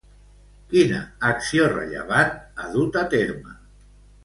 Quina acció rellevant ha dut a terme?